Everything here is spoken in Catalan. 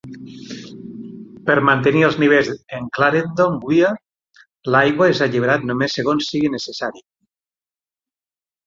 Per mantenir els nivells en Clarendon Weir, l'aigua és alliberat només segons sigui necessari.